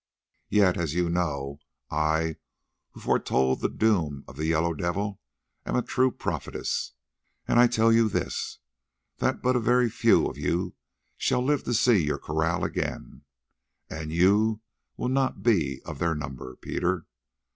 Yet, as you know, I, who foretold the doom of the Yellow Devil, am a true prophetess, and I tell you this, that but a very few of you shall live to see your kraal again, and you will not be of their number, Peter.